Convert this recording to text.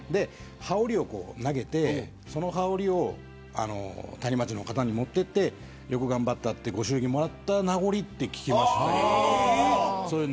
羽織を投げて、その羽織をタニマチの方に持っていってよく頑張ったとご祝儀をもらった名残と聞きました。